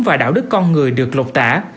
và đạo đức con người được lột tả